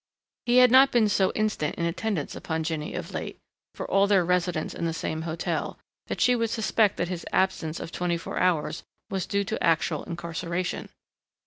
He had not been so instant in attendance upon Jinny of late, for all their residence in the same hotel, that she would suspect that his absence of twenty four hours was due to actual incarceration.